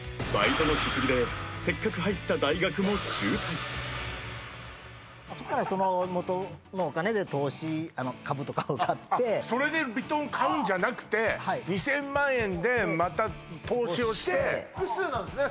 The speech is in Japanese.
せっかく入った大学も中退そこからその元のお金で投資株とかを買ってそれでヴィトンを買うんじゃなくて２０００万円でまた投資をして複数なんですね